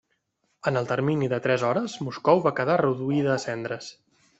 En el termini de tres hores Moscou va quedar reduïda a cendres.